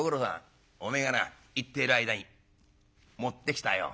お前がな行っている間に持ってきたよ